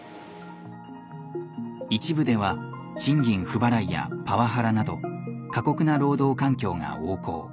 一部では賃金不払いやパワハラなど過酷な労働環境が横行。